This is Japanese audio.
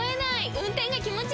運転が気持ちいい！